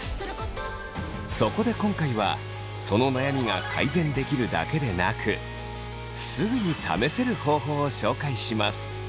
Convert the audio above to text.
そこで今回はその悩みが改善できるだけでなくすぐに試せる方法を紹介します。